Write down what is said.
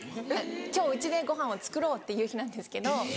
今日うちでごはんを作ろうっていう日なんですけど。